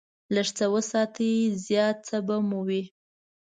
لږ څه وساتئ، زیات څه به مو وي.